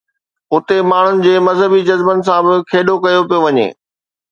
اتي ماڻهن جي مذهبي جذبن سان به کيڏو ڪيو پيو وڃي.